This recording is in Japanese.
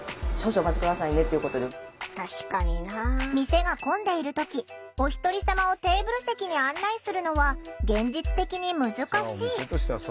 店が混んでいる時おひとり様をテーブル席に案内するのは現実的に難しい。